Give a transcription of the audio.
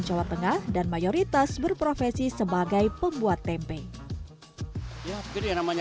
jawa tengah dan mayoritas berprofesi sebagai pembuat tempe ya jadi namanya